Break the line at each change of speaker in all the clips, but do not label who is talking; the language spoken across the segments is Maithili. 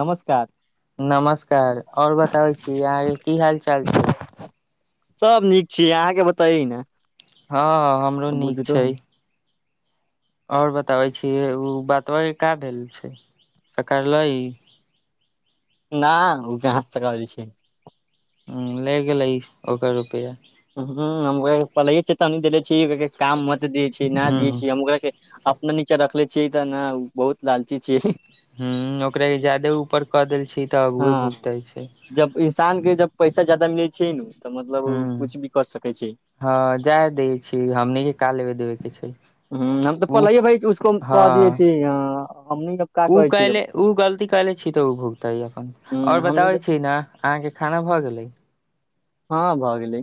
नमस्कार
नमस्कार आओर बताबै छी अहाँ के की हाल चाल छै
सभ नीक छीयै अहाँ के बताइ न
हँ हमरो नीक छै आओर बताबै छीयै उ बतबा का भेल छै सकरलयी
ना ओ कहाँ सकराय छै
हूं ले गेलै ओकर रुपैया
हूं हम ओहे पहलेइ चेतावनी देले छी जे काम मत कर दिये छियै न
ह
दिए छियै हम ओकरा के अपना नीचे रखले छीयै तऽ न बहुत लालची छियै
हँ ओकरा के जादे ऊपर कऽ देल छी तऽउहे
हँ
भुगतइ छै
जब इंसान के जब पैसा जादा मिलै छै नु
हूं हँ जाय दै छीयै हमने के का लेबे देबे के छै
हूं हम तऽ
उ
पहलै भइ उसको हम कह दियए
हँ
छी हँ हमनी अब का
उ
कहै छी हूँ,
कइले उ गलती कइले छी तऽ उ भुगतै अपन आओर
हमनी तऽ
बताबै छी ने अहाँके खाना भऽ गेलै
हँ भऽ गेलै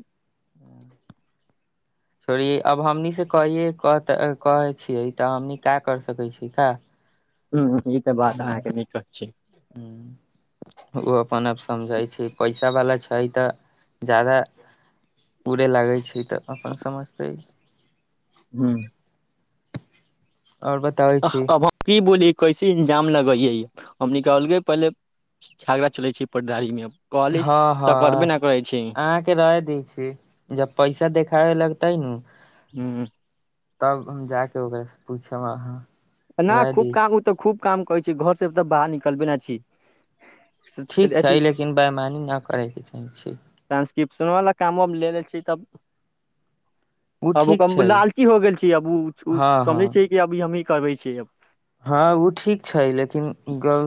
छोड़िये अब हमनि से कहिये कहतै कहय छियै तऽ हमनी का करि सकैत छी का
हूँ, ई बात
ह
अहाँके नीके छी
ओ अपन आप समझइ छै पैसा वाला छै छै तऽ जादा उड़े लागै छै तऽ अपन समझतै
हूं
आओर बताबै
अह
छी
अब हम कि बोलीयै कैसे इन्जाम लगैयै हमनी क अलगे पहिले झगड़ा चलै छै पटेदारी में कहली त करबे न करइ छै
अहाँ के रह दै छियै जब पैसा देखाबे लगतै नु
ह
तब हम जााक ओकरा स पूछव आहाँ
ना खूब काम उ तऽ खूब काम करै छै घर से तऽ बाहर निकलबे न छी
ठीक छै
अथी
लेकिन बैमानी नहि करयके चाही छि
टान्सक्रिप्शन वला कामो हम लेलै छी तब अब ओ
ठीक
कम
छै
लालची हो गेल छि अब उ
हँ
समझै
हँ
छै कि अभ हमही करबै छियै
हँ ओ ठीक छै लेकिन ग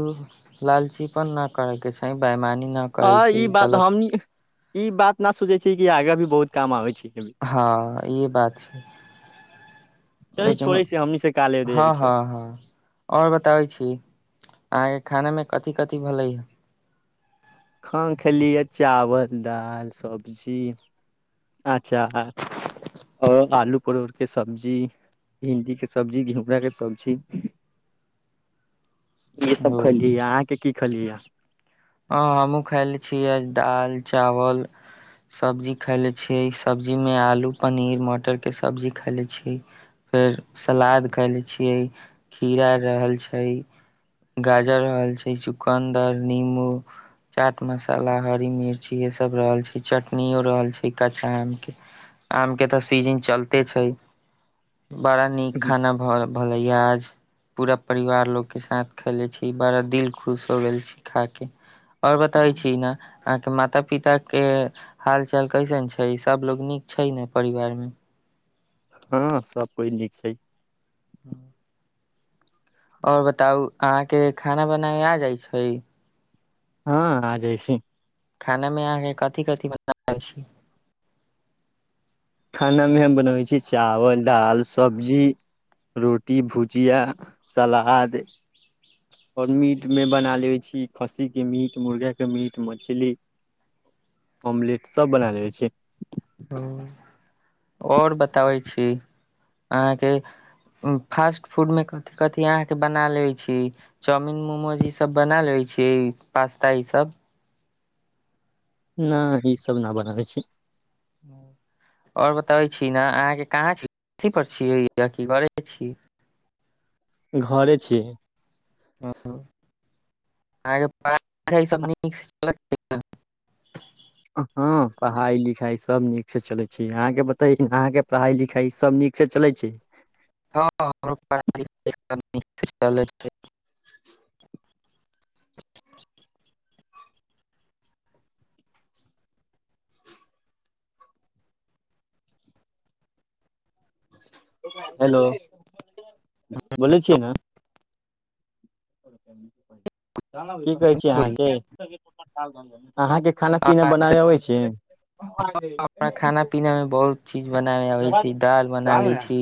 लालचीपन न करय के चाही बैमानी
हँ ई बात हम ई बात न सोचै छी कि आगा भी बहुत काम आबै छै
हँ ई बात छै
चल
लेकिन
छोड़य छि हमनी काले जाय
हँ
के छै
हँ हँ आओर बताबै छी अहाँके खाना में कथि कथि भेलै
खान खेलियै चावल दालि सब्जी अच्छा आ और आलू परोर के सब्जी भिंडी के सब्जी घिवरा के सब्जी
[inaudible]
ई सभ
ओ
खेलियै अहाँ के की खेलियै
ह हमहूँ खायले छीयै आज दाल चावल सब्जी खाय ले छियै सब्जी में आलू पनीर मटर के सब्जी खायले छियै फेर सलाद खैले छियै खीरा रहल छै गाजर रहल छै चुकन्दर नीबू [inaudible] चाट मसाला हरी मिर्ची ये सब रहल छै चटनियो रहल छै कच्चा आम के आम के तऽ सीजिन चलते छै बड़ा नीक खाना भ भलैय आज पूरा परिवार लोकके साथ खयेले छी बड़ा दिल खुश हो गेल छी खा के आओर बताै छी ने अहाँके माता पिता के हाल चाल कैसन छै सबलोग नीक छै ने परिवार मे
हँ सभ कोइ नीक छै
हँ आओर बताउ अहाँके खाना बनाबे आ जाय छै
हँ आ जाइ छै
खाना मे अहाँके कथि कथि बनाबै छी
खानामे हम बनबै छी चावल दालि सब्जी रोटी भुजिया सलाद आओर मीटमे बना लेै छी खस्सीके मीट मुर्गाके मीट मछली ऑमलेट सब बना लेबे छियै
ह आओर बताबै छी अहाँके उ फास्ट फूड में कथि कथि अहाँ के बना ले छी चाउमिन मोमोज ई सब बना लेबे छी छियै पास्ता ई सब
नहि ईसभ न बनाबै छी
हाँ आओर बताबै छी ने अहाँके कहाँ छी अथी पर छीयै आ की घरे छी [inaudible]
घरे छियै
हँ अहके पढ़ाय सभ नीक चलै छैय न?
हँ पढ़ाई लिखाई सब नीक से चले छैय अहाँके बताे अहाँके पढ़ाई लिखाई सब नीक? निक से चलै छैय?
हँ हमरो पढ़ाइ लिखाइ सब निकसॅ चलै छैय।
[unintelligible] हेलो बोलै छियै न की कहै छियै आहाँ
बुझलियै
के अहाँके खाना पीना
अहाँ से
बनाबै अबै छियै?
हमरा खाना पीना मे बहुत चीज बनाबे आबै छै दाल बना लै
[unintelligible]
छी